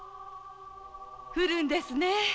降るんですね